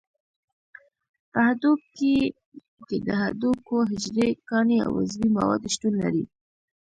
په هډوکي کې د هډوکو حجرې، کاني او عضوي مواد شتون لري.